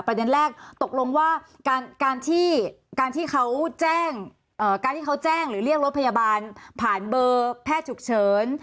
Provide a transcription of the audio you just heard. ประเด็นแรกตกลงว่าการที่เขาแจ้งหรือเรียกรถพยาบาลผ่านเบอร์แพทย์ฉุกเฉิน